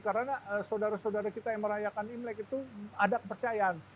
karena saudara saudara kita yang merayakan imlek itu ada kepercayaan